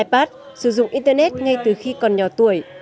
ipad sử dụng internet ngay từ khi còn nhỏ tuổi